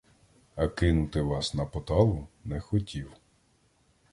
А кинути вас на поталу не хотів.